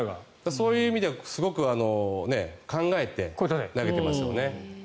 そういう意味ではすごい考えて投げてますよね。